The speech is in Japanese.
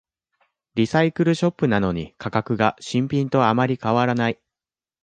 リサイクルショップなのに価格が新品とあまり変わらない